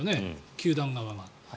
球団側が。